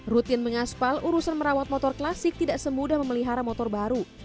rutin mengaspal urusan merawat motor klasik tidak semudah memelihara motor baru